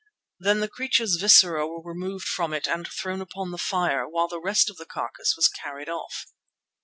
Then the creature's viscera were removed from it and thrown upon the fire, while the rest of the carcass was carried off.